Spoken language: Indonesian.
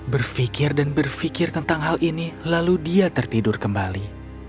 berpikir dan berpikir tentang hal ini lalu dia tertidur kembali